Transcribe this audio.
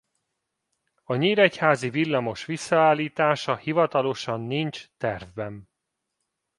A nyíregyházi villamos visszaállítása hivatalosan nincs tervben.